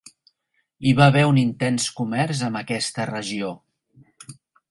Hi va haver un intens comerç amb aquesta regió.